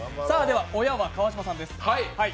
親は川島さんです。